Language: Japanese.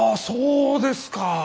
そうですか！？